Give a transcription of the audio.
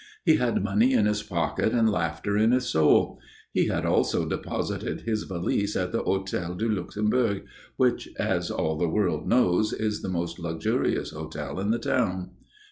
He had money in his pocket and laughter in his soul. He had also deposited his valise at the Hôtel du Luxembourg, which, as all the world knows, is the most luxurious hotel in the town.